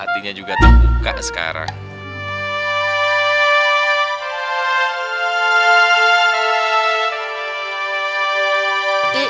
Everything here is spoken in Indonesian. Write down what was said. artinya juga terbuka sekarang